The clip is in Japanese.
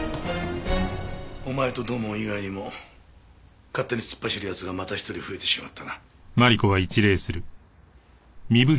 お前と土門以外にも勝手に突っ走る奴がまた一人増えてしまったな。